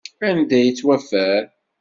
Anda i yettwaffer?